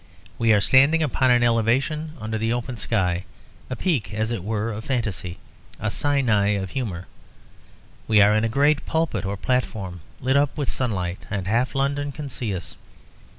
We are standing upon an elevation under the open sky, a peak as it were of fantasy, a Sinai of humour. We are in a great pulpit or platform, lit up with sunlight, and half London can see us.